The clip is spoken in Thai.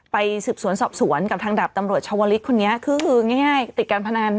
ไปสืบสวนสอบสวนกับทางดาบตำรวจชาวลิศคนนี้คือง่ายติดการพนัน